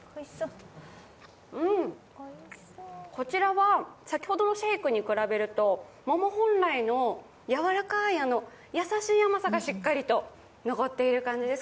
こちらは、先ほどのシェイクに比べると桃本来のやわらかい優しい甘さがしっかりと残っている感じです